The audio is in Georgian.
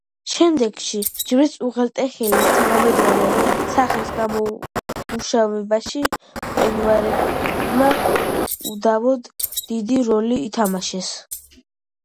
შემდეგში, ჯვრის უღელტეხილის თანამედროვე სახის გამომუშავებაში, მყინვარებმა უდავოდ დიდი როლი ითამაშეს.